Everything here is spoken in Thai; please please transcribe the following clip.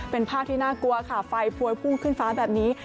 เป็นภาพที่น่ากลัวค่ะไฟพวยพุ่งขึ้นฟ้าแบบนี้